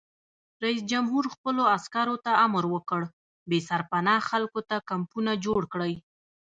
رئیس جمهور خپلو عسکرو ته امر وکړ؛ بې سرپناه خلکو ته کمپونه جوړ کړئ!